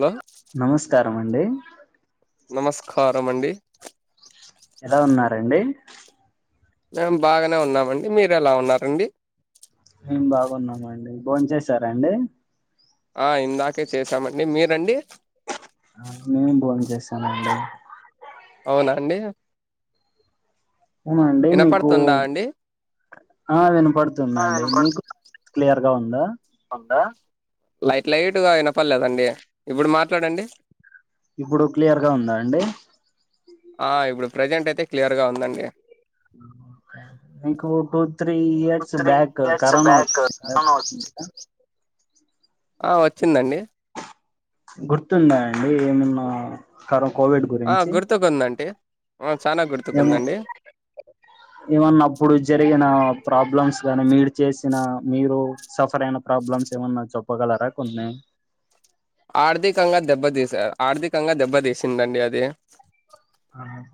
Hello ఎం అండి నమస్కారమండి ఎలా ఉన్నారండి మేము బాగానే ఉన్నామండి మీరు ఎలా ఉన్నారండి మేము బాగున్నామండి బోన్ చేసారాండి ఆ ఇందాకే చేసామండి మీరండి మేం భోన్ చేశామండి అవునా అండి అవునా అండి మీకు వినపడుతుందా అండి ఆ ఆ వినపడుతుందండి మీకు క్లియర్ గా ఉందా లైట్ లైట్ గా వినపడలేదండి ఇప్పుడు మాట్లాడండి ఇప్పుడు క్లియర్ గా ఉందా అండి ఆ ఇప్పుడు ప్రజెంట్ అయితే క్లియర్గ ఉందండి మీకు టూ త్రీ ఒక ఇయర్స్ త్రీ బ్యాక్ క ఇయర్స్ కరోనా బ్యాక్ వచ్చింది కరోనా కదండీ ఆ ఆ వచ్చిందండి గుర్తున్నాదండి ఎమన్నా కర ఆ గుర్తుకుందండి ఆ చానా ఏమ గుర్తుకుందండి ఏమన్నప్పుడు జరిగిన ప్రాబ్లమ్స్ గానీ మీరు చేసిన మీరు సఫర్ అయిన ప్రాబ్లమ్స్ ఏమన్నా చెప్పగలరా కొన్ని ఆర్థికంగా దెబ్బతీసారు ఆర్థికంగా దెబ్బతీసిందండి అది ఆ,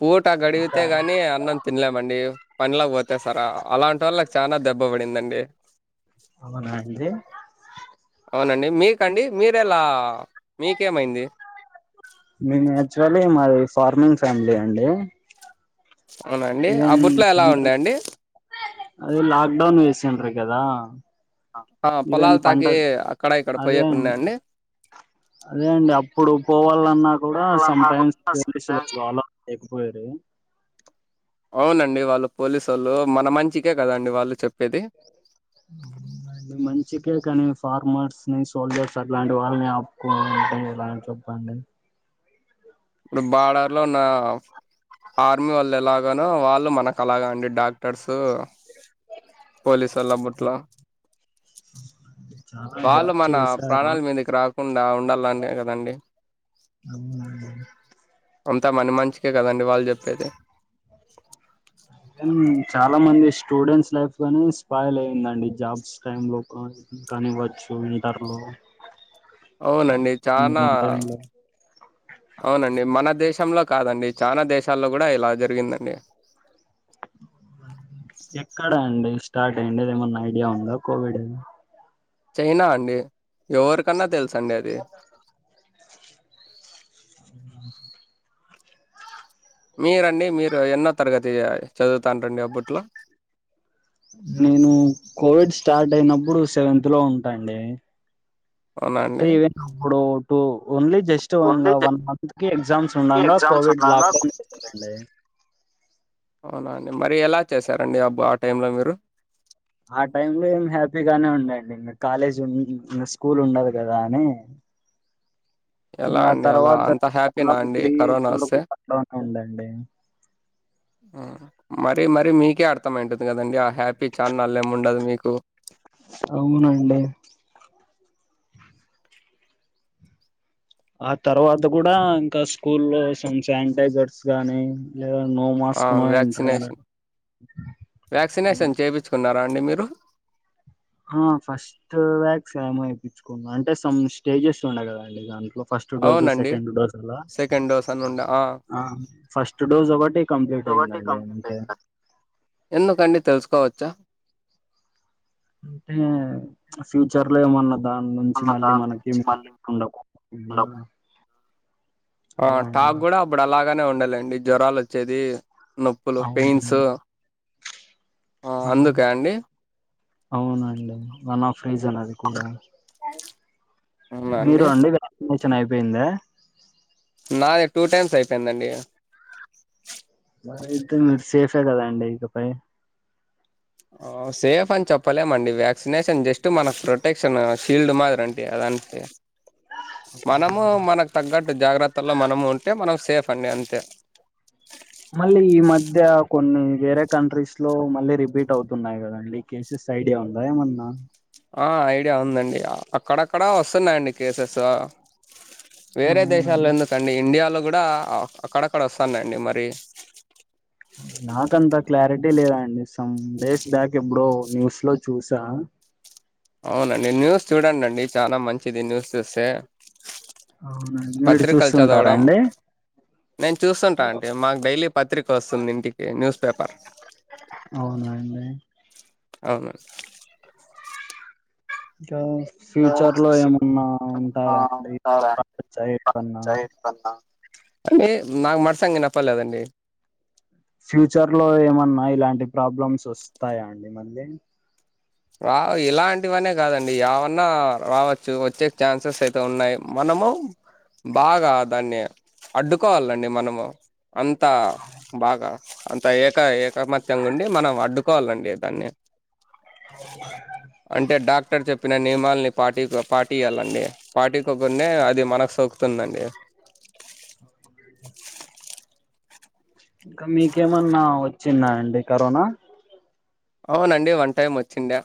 పూట ఇంకా గడిగితే గాని అన్నం తినలేమండి పనిలా పోతే సారా అలాంటోళ్లకు చాన దెబ్బ పడిందండి అవునా అండి అవునండి మీకండి మీరు ఎలా మేం యాక్టుల్ల్య్ మాది ఫార్మింగ్ ఫ్యామిలీ అండి అవునఅండి ఆ బుట్లో ఎలా ఉండండి అది లాక్డౌన్ వేసిన్రు కదా ఆ ఆ! ఇవెన్ పొలాలు పంట తాకి అక్కడ ఇక్కడ పోయేకున్నా అదేండి అండి అదే అండి ప ఇప్పుడు పోవళన్నా కూడా అలా సమ్ టైమ్స్ నాకున్న పోలీసులు సంపాస్ ప్రాబ్లెమ్ ఎటుపోయారు అవునండి వాళ్ళు పోలీసోళ్ళు మన మంచికే కదండి వాళ్ళు చెప్ ఉమ్ ఆ మంచికే కాని ఫార్మర్స్ ని సోల్జర్స్ అట్లాంట్ వాళ్ళని ఆపుకో ఎలా చెప్పండి ఇప్పుడు బాడర్ లల్ల ఆర్మీ వాళ్ ఎలాగానో వాళ్ళు మనక్ అలాగ అండి డాక్టర్స్ పోలీస్ ఎలాబట్లా చాలా వాళ్ళు హెల్ప్ మన చేశారు ప్రాణాల మీదక్ రాకుండా ఉండాలనే కదండి అవునా అంతా మన మంచికే గదండి వాళ్ చెప్పేది కాని చాలా మంది స్టూడెంట్స్ లైఫ్ కానీ స్పాల్ అయ్యిందండి జాబ్స్ టైంలో కాని కానివ్వచ్చు ఇంటర్లో అవునండి చనా టైమ్ లో అవునండి మన దేశ్ శంలో కాదండి చానా దేశాల్లో గూడా ఇలా జరిగిందండి ఎక్కడ అండి స్టార్ట్ అయిందాది ఏమన్నా ఐడియా ఉందా కోవిడ్ అని చైనా అండి ఎవరికన్నా తెల్సండి అది మీరండి మీరు ఎన్నో తరగతి చదువుతాన్ రండి అప్పట్లో నేను కోవిడ్ స్టార్ట్ అయినప్పుడు సెవెంత్ లో ఉంటాండి అవునా అంటే అండి ఈవెన్ అప్పుడు టు ఓన్లీ జస్ట్ ఓన్లీ ఇంగ వన్ జస్ట్ మంత్ కి ఎగ్జామ్స్ ఉండంగా ఎగ్జామ్స్ కోవిడ్ ఉన్నాంగా లాక్డౌన్ చేసారండి అవునా అండి మరి ఎలా చేశారండి అబ్బ ఆ టైం లో మీరు ఆ టైమ్ లో ఏం హ్యాపీగానే ఉండండి మీరు కాలేజ్ స్కూల్ ఉండదు గదా అని ఇంగ ఎలా ఆ అండి అలా తర్వాత అంత హ్యాపీనా అండి కరోనా వస్తే [unintelligible] ఉందండి ఆహా మరి మరి మీకే అర్థంమైటుంది గదండి ఆ హ్యాపీ ఛాన్నాల్ ఎమ్ ఉండదు మీక్ అవునండి ఆ తర్వాత గూడా ఇంకా స్కూల్ లో సం శానిటైజర్స్ గాని అ వ్యాక్సినేషన్ వ్యాక్సినేషన్ చేపిచ్కున్నారా అండి మీరు హ ఫస్ట్ వ్యాక్స్ ఏమో ఏపిచుకున్నా అంటే సామ్ స్టేజెస్ ఉండే గదండి దాంట్లో ఫస్ట్ డోసు అవునండి సెకండ్ డోస్ అలా సెకండ్ డోస్ అని ఉండ ఆ ఫస్ట్ డోజ్ ఒకటి కంప్లీట్ ఒకటి అయిందండి కంప్లీట్ అంతే అయింది ఎందుకండి తెల్సుకోవచ్చా అంటే ఫ్యూచర్ లో ఏమన్న దాన్ నుంచి అన్న మళ్ళీ దాని నుంచి మనకేం మళ్ళీ ఉండకుండా ఉండవు ఆ అలా అండి టాక్ గూడా అప్పుడ్ అలాగనే ఉండేలైన్డి జ్వరాల్ వచ్చేది నొప్పులు పెయిన్స్ అవునండి అ అందుక అవును అండి అవునండి వన్ ఆఫ్ రీసన్ అది కూడా మీరు అండి వ్యాక్సినేషన్ అయిపోయిందా నాది టూ టైమ్స్ అయిపోయిందండి వ అయితే మీర్ సేఫే గదా అండి ఇకపై ఆ సేఫ్ అన్ చెప్పలేమండి వ్యాక్సినేషన్ జస్ట్ మన ప్రొటెక్షన్ షీల్డ్ మాదిరంతే అదంతే మనమ్ మనక్ తగ్గట్ జాగ్రత్తల్లో మనము ఉంటే మనం సేఫ్ అండి అంతే మళ్ళీ ఈ మధ్య కొన్ని వేరే కంట్రీస్లో మళ్ళీ రిపీట్ అవుతున్నాయి గదండి కేసెస్ ఐడియా ఉందా ఏమన్నా? ఆ ఐడియా ఉందండి అక్కడక్కడా ఓస్తున్నాయండి కేసెస్ వేరే దేశాల్ల అవునండి ఎందుకండి ఇండియాల గూడా అక్కడక్కడ ఓస్తానయండి మరి నాకంత క్లారిటీ లేదాండి సమ్ డేస్ బ్యాక్ ఎప్పుడో న్యూస్ లో చూసా అవునండి న్యూస్ చూడం అండి చాలా మంచిది న్యూస్ చూస్తే మీరు చూస్తూ ఉంటారా అండి. నేన్ చూస్తుంటా ఆంటీ మాక్ డైలీ పత్రికొస్తుంది ఇంటికి న్యూస్ పేపర్ అవునండి. అవున గా ఫ్యూచర్లో ఏమన్నా ఉంటారా అండి ఉంటారా [unintelligible] అంటే మాక్ మడ్సంగ్ ఇనపడ్లేదండి. ఫ్యూచర్లో ఏమన్నా ఇలాంటి ప్రాబ్లమ్స్ ఓస్తాయా అండి మళ్ళీ రా ఇలాంటివనే కాదండి ఏవన్నా రావచ్చు వచ్చే ఛాన్సెస్ అయితే ఉన్నాయి. మన్ నము బాగా దాన్ని అడ్డుకోవాలండి మనము. అంతా బాగా అంత ఏక ఏకమత్యంగుండి మనం అడ్డుకోవాలండి దాన్ని అంటే డాక్టర్ చెప్పిన నియమాల్ని పాటి పాటీయాలండి పాటికోకునే అది మనక్ సోకుతుందండి. ఇంకా మీకేమన్నా ఒచ్చిందా అండి కరోనా అవునండి వన్ టైం వచ్చిండా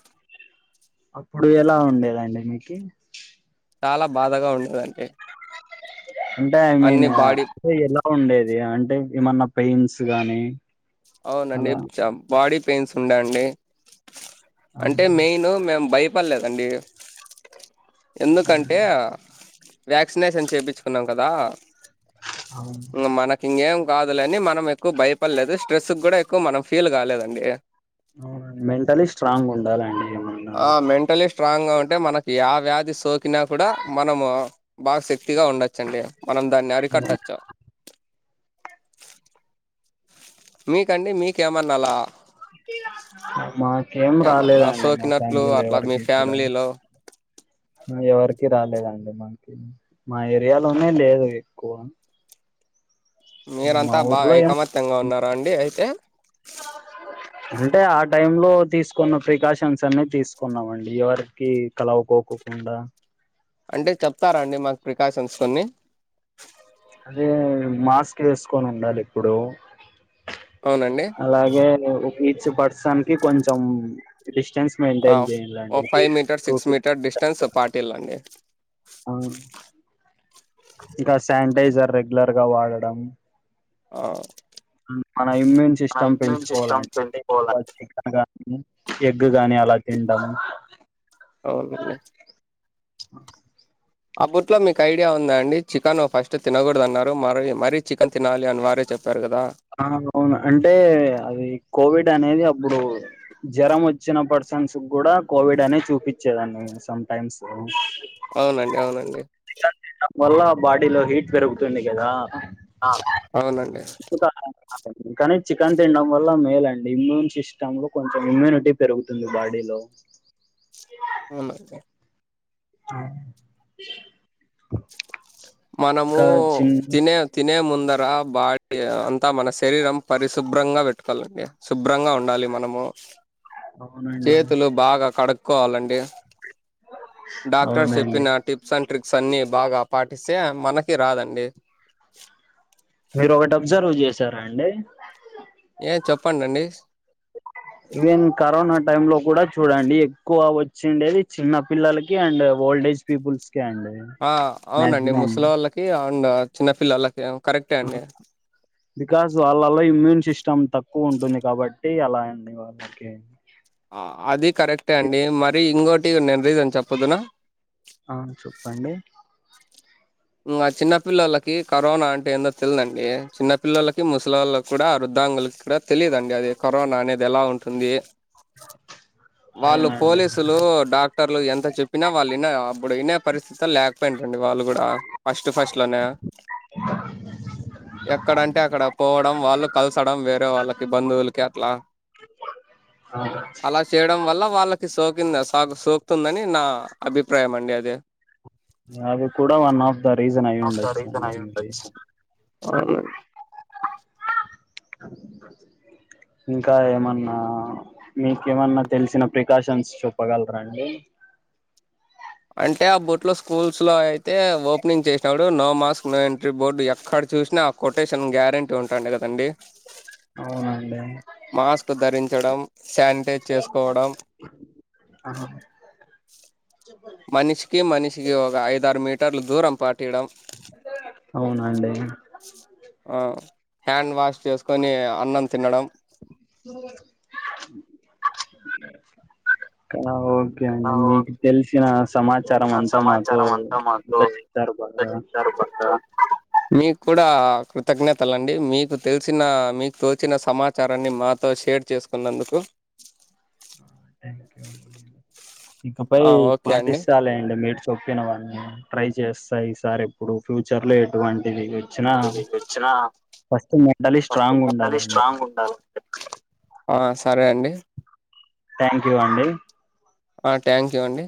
కే చాలా బాధగా ఉండే దంటే అంటే ఐ మీన్ బాడీ అంటే ఎలా ఉండేది అంటే ఏమన్నా పెయిన్స్ గానీ అవునండి అలా జ బాడీ పెయిన్స్ ఉండే అండి. ఆ అంటే మెయిను మేం భయపడ్లేదండి. ఎందుకంటే వ్యాక్సినేషన్ చేపిచ్చుకున్నాం కదా అవును మనకిగేం కాదులే అని మనం ఎక్కు భయపడ్లేదు. స్ట్రెస్ గుడా ఎక్కువ మనం ఫీల్ గాలేదండి. అవునండి మెంటలీ స్ట్రాంగ్ ఉండాలండి ఏమన్నా ఆ మెంటలీ స్ట్రాంగా ఉంటే మనకి యా వ్యాధి సోకినా కూడా మనము బాగ్ సే ఫ్టీ ఉండచ్చండి మనం దాన్ని అరికట్టచ్చు. మీకండి మీకేమన్న అలా మాక్ ఏం ఏమన్నా రాలేదండి మా సోకినట్లు ఫ్యామిలీలో అట్లా మీ ఎవరికి కూడను ఫ్యామిలీలో ఎవర్ కి రాలేదండి మాకి మా ఏరియాలోనే లేదు ఎక్కువ మా మీరంతా బాగా ఊర్లో ఐకమత్యంగా ఉన్నారా అండి అయితే ఆవును అంటే ఆ టైమ్లో తీస్కున్న ప్రికాషన్స్ అన్ని తీస్కున్నామండి. ఎవరికి కల కో కోకుండా అంటే చెప్తారా అండి మాక్ ప్రికాషన్స్ కొన్ని అదే మాస్క్ ఏస్కొనుండాలి ఎప్పుడు అవునండి అలాగే ఒక ఈచ్ పర్సన్కి కొంచం డిస్టెన్స్ ఆ, మెయింటేన్ ఓ జేడంలాంటి five metre six metre distance పాటిల్లండి ఇంకా సానిటైజర్ రెగ్లర్గ వాడడం. ఆ మ్ మన ఇమ్యూన్ మన సిస్టమ్ ఇమ్యూన్ సిస్టమ్ పెంచుకోవాలంటే ఎక్కువ పెంచుకోవాలని [unintelligible] కానీ డు గాని అలా తింటామ్ అవునండి ఆబుట్లో మీక్ ఐడియా ఉందా అండి చికెన్ ఫస్ట్ తినకూడదు అన్నారు మరి మరీ చికెన్ తినాలి అని వారే చెప్ ఆ అవున్ అంటే అది కోవిడ్ అనేది అప్పుడు జ్వరం వచ్చిన పర్సన్స్ గుడా కోవిడ్ అనే చూపిచ్చే దండి సంటైమ్స్ అవునండి అవునండి తినడం వల్ల బాడీలో హీట్ పెరుగుతుంది కదా అవునండి. [unintelligible] కనీ చికెన్ తినడం వల్ల మేలండి ఇమ్యూన్ సిస్టమ్లో కొంచం ఇమ్యూనిటీ పెరుగుతుంది బాడీలో అవున మనము ఇంకా చిన్ తినే తినే ముందు అందర బాడీ అంతా మన శరీరం పరిశుభ్రంగా పెట్టుకోవాలండి శుభ్రంగా ఉండాలి మనము అవునండి చేతులు బాగా కడుక్కోవాలండి డాక్టర్స్ అవునండి చెప్పిన టిప్స్ అండ్ ట్రిక్స్ అన్ని బాగా పాటి సే మనకి రాదండి మీరు ఒకటి అబ్జర్వ్ చేసారాండి చెప్పండండి ఈవెన్ కరోనా టైమ్ లో కూడా చూడండి ఎక్కువ వచ్చిండేది చిన్న పిల్లలకి అండ్ ఓల్డ్ ఏజ్ పీపుల్స్ కే అండి ఆ అవునండి మాక్సిమం ముసలోళ్ళకి అండ్ చిన్నపిల్లళ్ళకి కరెక్టే అండి బికాస్ వాళ్ళలో ఇమ్యూన్ సిస్టమ్ తక్కువ ఉంటుంది కాబట్టి అలా అండి వాళ్ళకి అది కరెక్టే అండి మరి ఇంకోటి నేన్ ఆ చెప్పండి ఇంగ చిన్న పిల్లలకి కరోనా అంటే ఏందో తెలిదండి చిన్న పిల్లలకి ముసలిళ్ళకి కూడా అరుద్ వికలాంగులకు కూడా తెలిదుండి అది కరోనా అనేది ఎలా ఉంటుంది వాళ్ళు అవునండి పోలీసులు డాక్టర్లు ఎంత చెప్పినా వాళ్ళున్న అప్పుడు వినే పరిస్థితి లేకపోయిన రండి వాళ్ళు కూడా ఫస్ట్ ఫస్ట్ లోనే ఎక్కడంటే అక్కడ పోవడం వాళ్ళు కలసడం వేరే వాళ్ళకి బంధువులకి అట్లా ఆ అలా చేయడం వల్ల వాళ్ళకి సోకింద సోక్తుందని నా అభిప్రాయం అండి అది అది కూడా వన్ ఆఫ్ ది రీజన్ ఒక రీజన్ అయుండవచండి అయి ఉండొచ్చు అవునండి ఇంకా ఏమన్నా మీకేమన్నా తెలిసిన ప్రికాషన్స్ చూప్పగలరా అండి అంటే ఆ బూట్ లో స్కూల్స్ లో అయితే ఓపెనింగ్ చేసినాడు no mask no entry board అక్కడ చూసినా ఆ కొటేషన్ గ్యారెంటీ ఉంటుండి కదండి అవునండి మాస్క్ ధరించడం శానిటైజ్ చేసుకోవడం ఆహా మనిషికి మనిషికి ఒక ఐదారు మీటర్లు దూరం పాటియడం అవునండి ఆ హ్యాండ్ వాష్ చేసుకొని అన్నం తినడం ఆ ఓకే అండి మీకు ఓకే తెలిసిన సమాచారం నా అంతా మాతో సమాచారం అంతా మాతో చెప్పారు బాగా [inaudible] మీకు కూడా కృతజ్ఞతలండి మీకు తెలిసిన మీకు తోల్చిన సమాచారాన్ని మాతొ బ షేర్ చేసుకున్నందుకు ఇకపై ఆ ఓకే అండి పాటిస్తాలే అండి మేడ్చ [unintelligible] ట్రై చేస్తాయి సార్ ఎప్పుడు ఫ్యూచర్ లో ఎటువ అంటే లేకోచ్చిన first mentally first strong mentally ఉండాలండి స్ట్రాంగ్ ఉండాలి ఆ సరే అండి థ్యాంక్యూ అండి అ ట్యాంక్యూ అండి